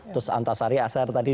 terus antasari asar tadi